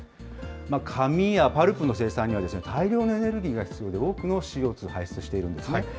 紙やパルプの生産には、大量のエネルギーが必要で、多くのＣＯ２を排出しているんですね。